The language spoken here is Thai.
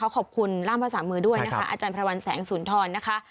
ขอบคุณล่ามภาษามือด้วยอาจารย์พระวันแสงศูนย์ทอน